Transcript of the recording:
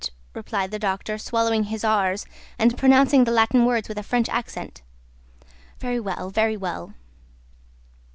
replied the doctor, swallowing his r's, and pronouncing the Latin words with a French accent. * To err is human. "Very well, very well..."